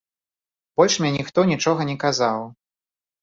Больш мне ніхто нічога не казаў.